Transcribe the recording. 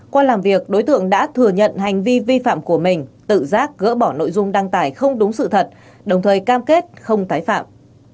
qua làm việc đối tượng đã thừa nhận hành vi vi phạm của mình tự giác gỡ bỏ nội dung đăng tải không đúng sự thật đồng thời cam kết không tái phạm